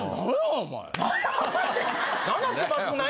お前。